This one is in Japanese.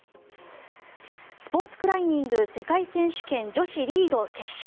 スポーツクライミング世界選手権女子リード決勝。